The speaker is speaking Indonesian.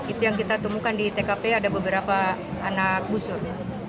itu yang kita temukan di tkp ada beberapa anak busur